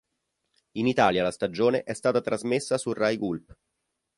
In Italia la stagione è stata trasmessa su Rai Gulp.